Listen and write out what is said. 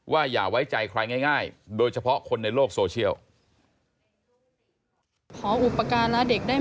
อย่าไว้ใจใครง่ายโดยเฉพาะคนในโลกโซเชียล